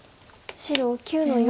白９の四。